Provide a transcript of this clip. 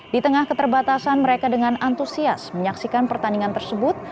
di tengah keterbatasan mereka dengan antusias menyaksikan pertandingan tersebut